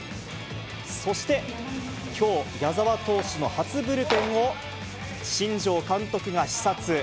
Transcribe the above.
そしてきょう、矢澤投手の初ブルペンを新庄監督が視察。